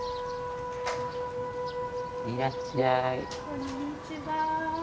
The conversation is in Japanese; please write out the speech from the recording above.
こんにちは。